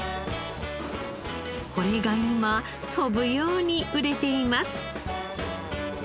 これが今飛ぶように売れています。